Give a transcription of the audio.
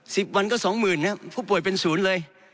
สิบวันก็สองหมื่นนะครับผู้ป่วยเป็นศูนย์เลย